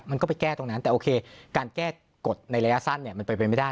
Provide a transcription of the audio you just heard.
มันก็ไปแก้ตรงนั้นแต่โอเคการแก้กฎในระยะสั้นเนี่ยมันเป็นไปไม่ได้